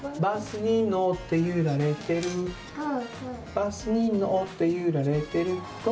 「バスにのってゆられてるゴー！